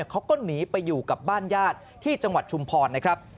เขาก็หนีไปอยู่กับบ้านญาติที่จังหวัดชุมพรนะครับ